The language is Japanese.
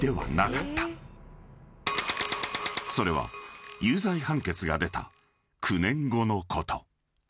［それは有罪判決が出た９年後のこと］